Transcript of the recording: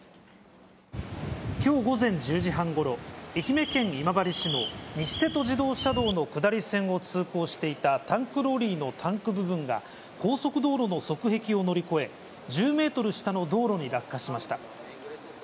きょう午前１０時半ごろ、愛媛県今治市の西瀬戸自動車道の下り線を通行していたタンクローリーのタンク部分が、高速道路の側壁を乗り越え、１０メートル下の道路に落下しました。